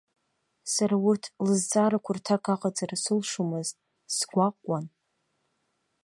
Сара урҭ лызҵаарақәа рҭак аҟаҵара сылшомызт, сгәаҟуан.